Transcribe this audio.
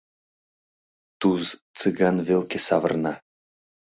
— Туз Цыган велке савырна.